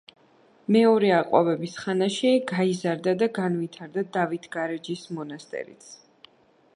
მეორე აყვავების ხანაში გაიზარდა და განვითარდა დავითგარეჯის მონასტერიც.